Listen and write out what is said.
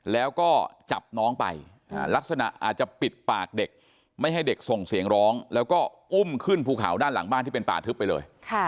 แล้วก็จับน้องไปลักษณะอาจจะปิดปากเด็กไม่ให้เด็กส่งเสียงร้องแล้วก็อุ้มขึ้นภูเขาด้านหลังบ้านที่เป็นป่าทึบไปเลย